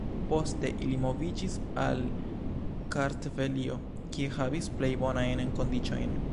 Poste ili moviĝis al Kartvelio, kie havis plej bonajn kondiĉojn.